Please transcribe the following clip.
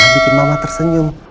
bikin mama tersenyum